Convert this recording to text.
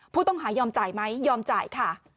ผู้ต้องหายอมจ่ายไหมยอมจ่ายค่ะ